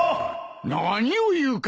何を言うか！